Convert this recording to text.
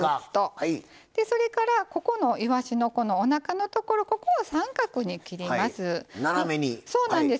それから、ここのいわしのおなかのところここを三角に切ります。